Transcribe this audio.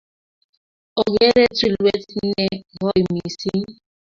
ogeere tulwet nekooi mising